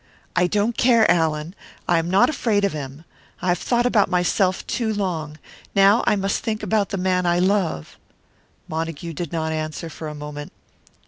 "I don't care, Allan I am not afraid of him. I have thought about myself too long. Now I must think about the man I love." Montague did not answer, for a moment.